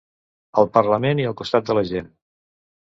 Al parlament i al costat de la gent.